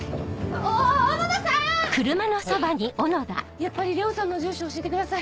やっぱり玲緒さんの住所教えてください。